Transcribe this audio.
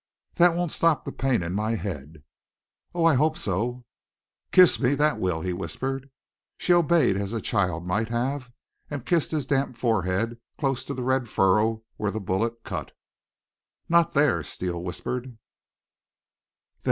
"That won't stop the pain in my head." "Oh, I hope so." "Kiss me that will," he whispered. She obeyed as a child might have, and kissed his damp forehead close to the red furrow where the bullet cut. "Not there," Steele whispered.